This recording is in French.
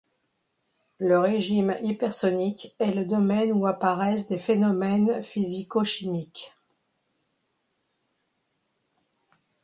Le régime hypersonique est le domaine où apparaissent des phénomènes physico-chimiques.